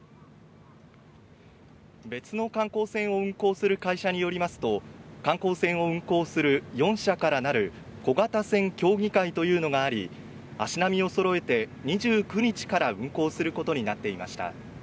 別の観光船を運航する会社によりますと、観光船を運航する４社からなる小型船協議会というのがあり、足並みをそろえて２９日から運航することになっていました。